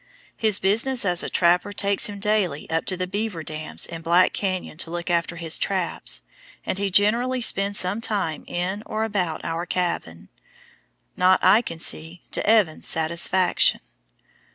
His business as a trapper takes him daily up to the beaver dams in Black Canyon to look after his traps, and he generally spends some time in or about our cabin, not, I can see, to Evans's satisfaction.